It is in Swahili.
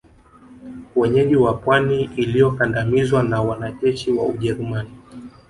wenyeji wa pwani iliyokandamizwa na wanajeshi wa Ujerumani